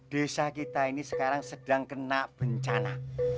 desa kita ini sekarang sedang kena bencana